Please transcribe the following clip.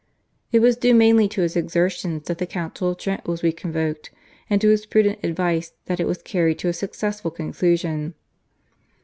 It was due mainly to his exertions that the Council of Trent was re convoked, and to his prudent advice that it was carried to a successful conclusion.